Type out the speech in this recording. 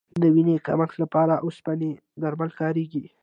د وینې کمښت لپاره د اوسپنې درمل کارېږي.